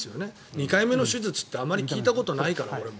２回目の手術って俺もあまり聞いたことないから。